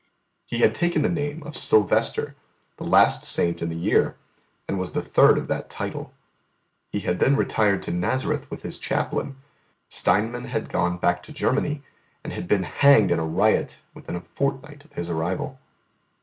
He had taken the name of Silvester, the last saint in the year, and was the third of that title. He had then retired to Nazareth with his chaplain; Steinmann had gone back to Germany, and been hanged in a riot within a fortnight of his arrival.